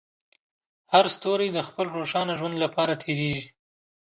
هر ستوری د خپل روښانه ژوند لپاره تېرېږي.